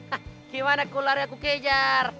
hah gimana kau lari aku kejar